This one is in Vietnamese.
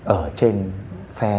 ở trên xe